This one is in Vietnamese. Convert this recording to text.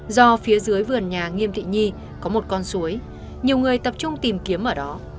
do phía dưới vườn nhà nghiêm thị nhi có một con suối nhiều người tập trung tìm kiếm ở đó